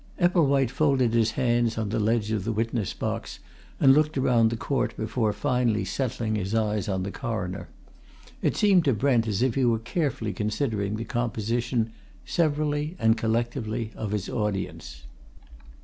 Epplewhite folded his hands on the ledge of the witness box and looked around the court before finally settling his eyes on the Coroner: it seemed to Brent as if he were carefully considering the composition, severally and collectively, of his audience.